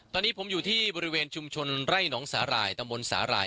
ตอนนี้ผมอยู่ที่บริเวณชุมชนไร่หนองสาหร่ายตำบลสาหร่าย